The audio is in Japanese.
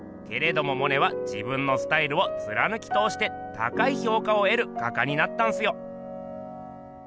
けれどもモネは自分のスタイルをつらぬきとおして高い評価をえる画家になったんすよ。